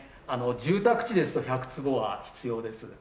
住宅地ですと１００坪は必要です。